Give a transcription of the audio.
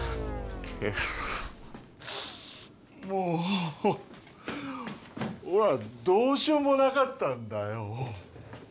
もうオラどうしようもなかったんだよ。